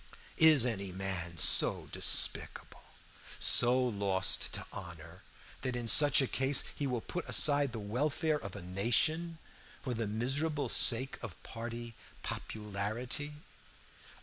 Is any man so despicable, so lost to honor, that in such a case he will put aside the welfare of a nation for the miserable sake of party popularity?